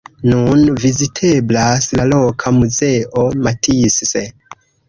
Nun viziteblas la loka muzeo Matisse.